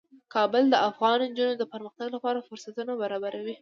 کابل د افغان نجونو د پرمختګ لپاره فرصتونه برابروي.